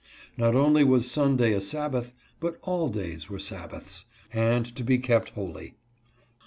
Not only was Sunday a Sabbath, but all days were Sabbaths, and to be kept holy.